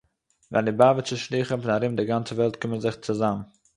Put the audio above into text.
ווען ליובאַוויטשער שלוחים פון אַרום דער גאַנצער וועלט קומען זיך צוזאַם